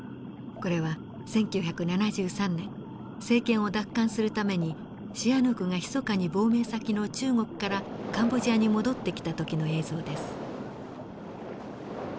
これは１９７３年政権を奪還するためにシアヌークがひそかに亡命先の中国からカンボジアに戻ってきた時の映像です。